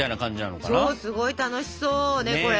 そうすごい楽しそうねこれ。